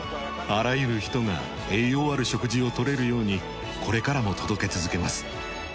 あらゆる人が栄養ある食事を取れるようにこれからも届け続けます。